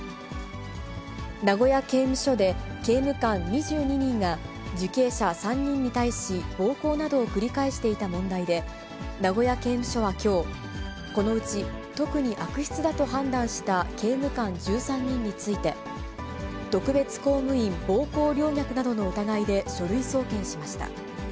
名古屋刑務所で刑務官２２人が受刑者３人に対し、暴行などを繰り返していた問題で、名古屋刑務所はきょう、このうち特に悪質だと判断した刑務官１３人について、特別公務員暴行陵虐などの疑いで書類送検しました。